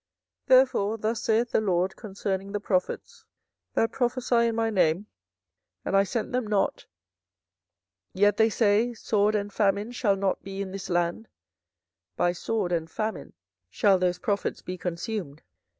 24:014:015 Therefore thus saith the LORD concerning the prophets that prophesy in my name, and I sent them not, yet they say, Sword and famine shall not be in this land; By sword and famine shall those prophets be consumed.